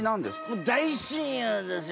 もう大親友ですよ。